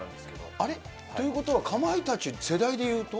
あれ？ということは、かまいたち、世代でいうと？